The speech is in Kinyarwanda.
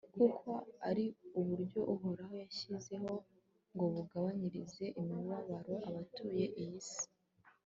kuko ari uburyo uhoraho yashyizeho ngo bugabanyirize imibabaro abatuye iyi si